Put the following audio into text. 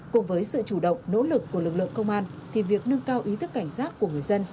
cùng với sự chủ động nỗ lực của lực lượng công an thì việc nâng cao ý thức cảnh giác của người dân